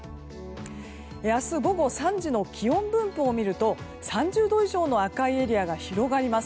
明日午後３時の気温分布をみると３０度以上の赤いエリアが広がります。